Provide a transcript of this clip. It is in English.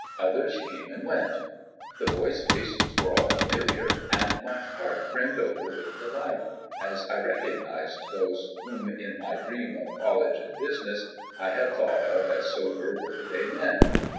Others came and went. The boys' faces were all familiar, and my heart brimmed over with delight as I recognized those whom, in my dream of college and business, I had thought of as sober, work a day men.